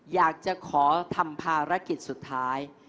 อยากจะขอทำภารกิจสุดท้าย